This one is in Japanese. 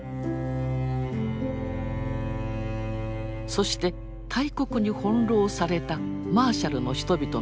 そして大国に翻弄されたマーシャルの人々の歴史。